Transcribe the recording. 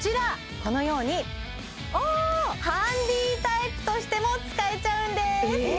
このようにハンディタイプとしても使えちゃうんですえ！